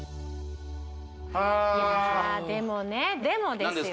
はあいやでもねでもですよ